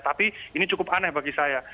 tapi ini cukup aneh bagi saya